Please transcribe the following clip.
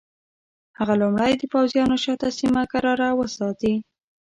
هغه لومړی د پوځیانو شاته سیمه کراره وساتي.